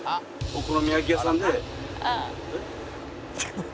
お好み焼き屋さんで。